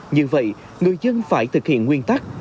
như vậy người dân phải thực hiện nguyên tắc